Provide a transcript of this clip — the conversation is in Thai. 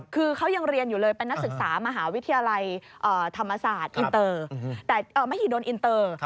คือเขายังเรียนอยู่เลยเป็นนักศึกษามหาวิทยาลัยธรรมศาสตร์อินเตอร์แต่มหิดลอินเตอร์